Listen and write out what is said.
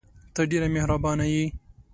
ته ډېره مهربانه یې !